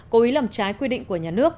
cố ý làm trái quy định của nhà nước